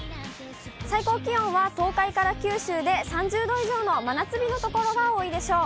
最高気温は東海から九州で３０度以上の真夏日の所が多いでしょう。